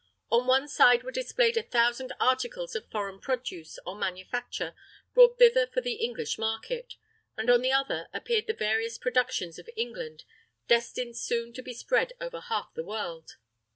On one side were displayed a thousand articles of foreign produce or manufacture brought thither for the English market, and on the other appeared the various productions of England, destined soon to be spread over half the world.